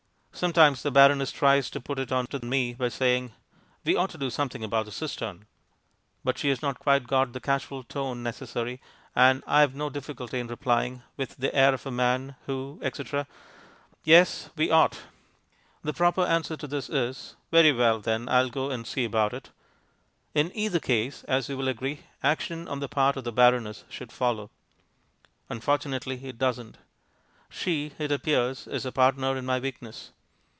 Sometimes the baroness tries to put it on to me by saying, "We ought to do something about the cistern," but she has not quite got the casual tone necessary, and I have no difficulty in replying (with the air of a man who, etc.), "Yes, we ought." The proper answer to this is, "Very well, then. I'll go and see about it." In either case, as you will agree, action on the part of the baroness should follow. Unfortunately it doesn't. She, it appears, is a partner in my weakness.